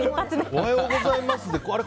おはようございますあれ？